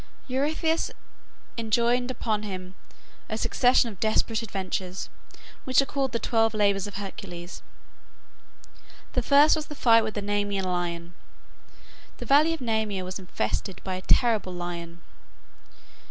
Eurystheus enjoined upon him a succession of desperate adventures, which are called the "Twelve Labors of Hercules." The first was the fight with the Nemean lion. The valley of Nemea was infested by a terrible lion.